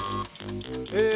え